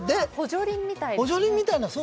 補助輪みたいな。